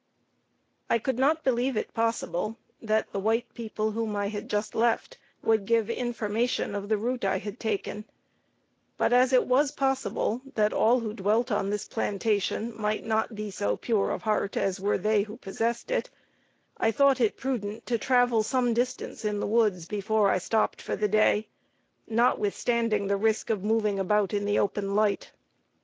I could not believe it possible that the white people whom I had just left, would give information of the route I had taken; but as it was possible that all who dwelt on this plantation might not be so pure of heart as were they who possessed it, I thought it prudent to travel some distance in the woods, before I stopped for the day, notwithstanding the risk of moving about in the open light.